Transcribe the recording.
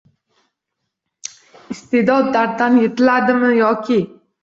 Iste’dod darddan yetiladimi yoki?